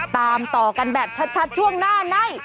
ตามต่อกันแบบชัดช่วงหน้าใน